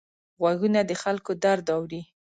غوږونه د خلکو درد اوري